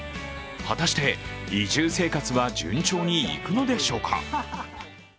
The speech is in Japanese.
果たして移住生活は順調にいくのでしょうか？